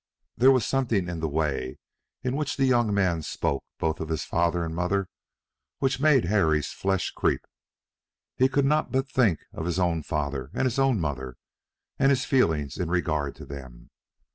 There was something in the way in which the young man spoke both of his father and mother which made Harry's flesh creep. He could not but think of his own father and his own mother, and his feelings in regard to them.